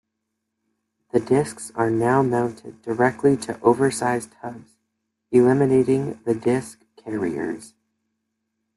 The discs are now mounted directly to oversized hubs, eliminating the disc carriers.